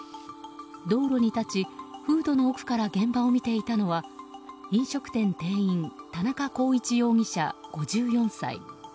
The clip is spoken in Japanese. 道路に立ち、フードの奥から現場を見ていたのは飲食店店員田中浩一容疑者、５４歳。